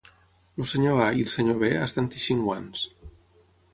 El Sr. A i el Sr. B estan teixint guants.